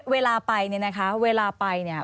เวลาไปเวลาไป